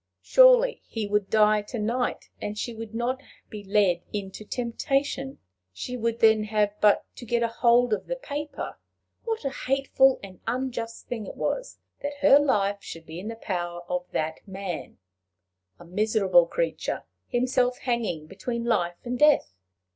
Surely he would die to night, and she would not be led into temptation! She would then have but to get a hold of the paper! What a hateful and unjust thing it was that her life should be in the power of that man a miserable creature, himself hanging between life and death!